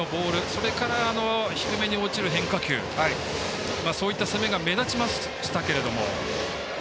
それから低めに落ちる変化球そういった攻めが目立ちましたが。